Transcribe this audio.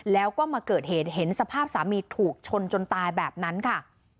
แล้วก็มาเกิดเหตุเห็นสภาพสามีถูกชนจนตายแบบนั้นค่ะ